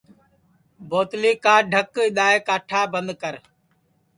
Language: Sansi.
ٻوتلی کا ڈھک اِدؔائے کاٹھا بند کر